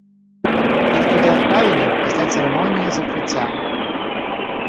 Іх туды адправілі пасля цырымоніі закрыцця.